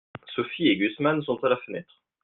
Sophie et Gusman sont à la fenêtre.